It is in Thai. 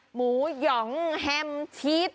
หมูหยองแฮมชีส